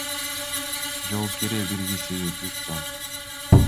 Жол кире бир кишиге жүз сом.